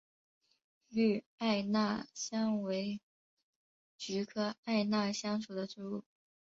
绿艾纳香为菊科艾纳香属的植物。